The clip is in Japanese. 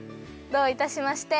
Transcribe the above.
どういたしまして！